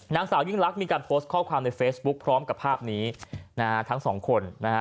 นางสาวยิ่งลักษณ์มีการโพสต์ข้อความในเฟซบุ๊คพร้อมกับภาพนี้นะฮะทั้งสองคนนะฮะ